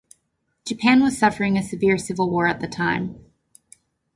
Japan was suffering a severe civil war at the time.